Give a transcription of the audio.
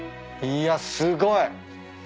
いやすごい。